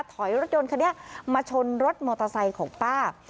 ถอยรถยนต์คันนี้มาชนรถมอเตอร์ไซค์ของป้า